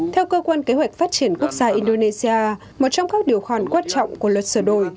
theo cơ quan kế hoạch phát triển quốc gia indonesia một trong các điều khoản quan trọng của luật sửa đổi